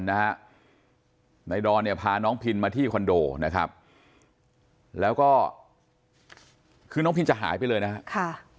นายดอนเนี่ยพาน้องพินมาที่คอนโดนะครับแล้วก็คือน้องพินจะหายไปเลยนะครับ